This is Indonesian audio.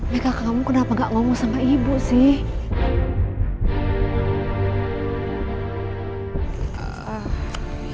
beka kamu kenapa gak ngomong sama ibu sih